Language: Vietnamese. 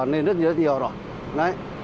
nên rất nhiều rồi